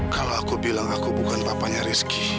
kalau aku bilang aku bukan papanya rizky